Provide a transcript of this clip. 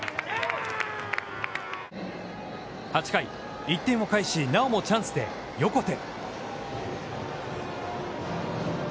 ８回、１点を返しなおもチャンスで横手。